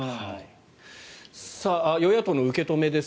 与野党の受け止めです。